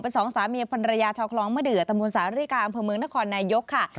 เป็น๒สามีพันรยาชาวคล้องเมื่อเดือดตะบุญศาสตรีกลางเมืองนครนายกค่ะ